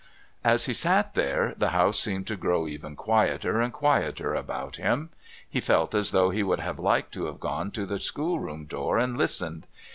As he sat there the house seemed to grow ever quieter and quieter about him. He felt as though he would have liked to have gone to the schoolroom door and listened.